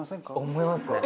思いますね。